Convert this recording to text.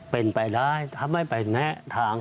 เป็นไปได้ถ้าไม่ไปแนะทาง